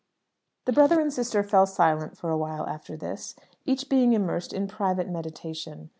The brother and sister fell silent for a while after this, each being immersed in private meditation.